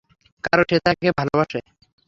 কারন সে তাকে ভালোবাসে।